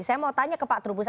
saya mau tanya ke pak trubus